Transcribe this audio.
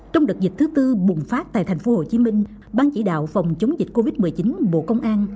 trong đợt dịch thứ tư bùng phát tại tp hcm ban chỉ đạo phòng chống dịch covid một mươi chín bộ công an